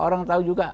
orang tahu juga